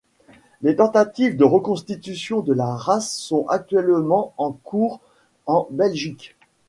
Des tentatives de reconstitution de la race sont actuellement en cours en Belgique.